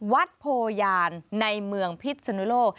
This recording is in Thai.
วัดโพยานในเมืองพิษนุโลก